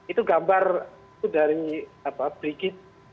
itu gambar itu dari brigit